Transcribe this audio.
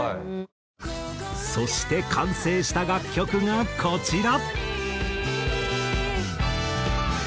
そして完成した楽曲がこちら。